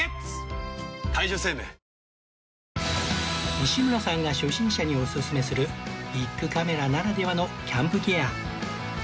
西村さんが初心者におすすめするビックカメラならではのキャンプギア